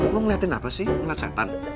lo ngeliatin apa sih nggak cetan